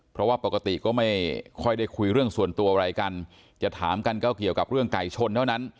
เพราะว่าปกติก็ไม่ค่อยได้คุยเรื่องส่วนตัวอะไรกันจะถามกันก็เกี่ยวกับเรื่องไก่ชนเท่านั้น